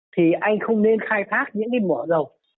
thì anh không nên khai thác những cái mỏ dầu